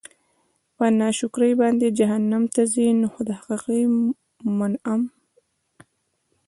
په ناشکر باندي جهنّم ته ځي؛ نو د حقيقي مُنعِم